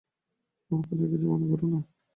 ওর কথায় কিছু মনে কোরো না।